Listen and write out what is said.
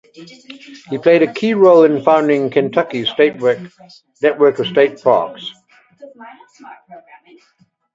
He played a key role in founding Kentucky's network of state parks.